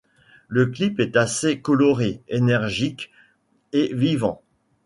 Le clip est assez coloré, énergique et vivant.